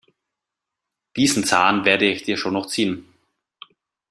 Diesen Zahn werde ich dir schon noch ziehen.